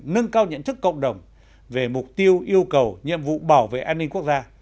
nâng cao nhận thức cộng đồng về mục tiêu yêu cầu nhiệm vụ bảo vệ an ninh quốc gia